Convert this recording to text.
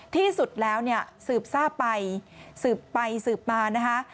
ที่สุดแล้วสืบซ่าไปสืบไปสืบมานะคะ